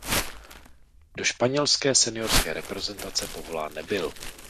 Do španělské seniorské reprezentace povolán nebyl.